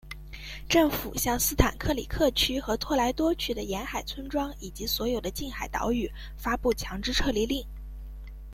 政府向斯坦克里克区和托莱多区的沿海村庄以及所有的近海岛屿发布强制撤离令。